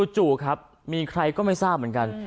จู่ครับมีใครก็ไม่ทราบเหมือนกัน